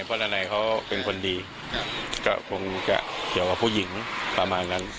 เพราะนานัยเขาเป็นคนดีก็คงจะเกี่ยวกับผู้หญิงประมาณนั้น